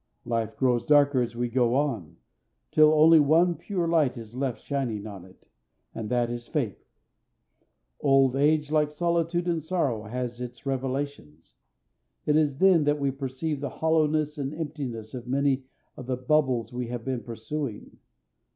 Life grows darker as we go on, till only one pure light is left shining on it, and that is faith. Old age, like solitude and sorrow, has its revelations. It is then that we perceive the hollowness and emptiness of many of the bubbles we have been pursuing.